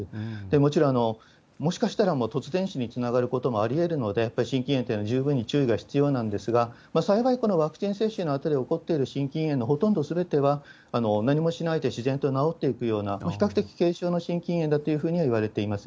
もちろん、もしかしたらもう突然死につながることもありえるので、やっぱり心筋炎というのは十分に注意が必要なんですが、幸い、このワクチン接種のあとで起こっている心筋炎のほとんどすべては、何もしないで自然と治っていくような、比較的軽症の心筋炎だというふうにはいわれています。